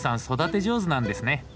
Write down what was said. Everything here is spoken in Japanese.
育て上手なんですね。